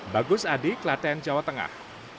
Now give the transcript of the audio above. bagus adi klaten jawa tengah